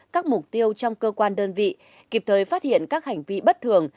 các mục tiêu trong cơ quan đơn vị kịp thời phát hiện các hành vi bất thường